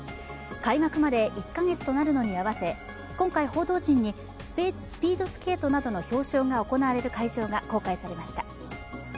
開幕まで１カ月となるのに合わせ、今回、報道陣にスピードスケートなどの表彰が行われる会場が公開されました。